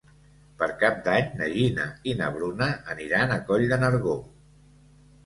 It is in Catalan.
Per Cap d'Any na Gina i na Bruna aniran a Coll de Nargó.